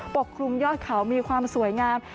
ปกคลุมยอดเขามีความสวยงาม